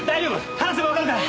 話せばわかるから！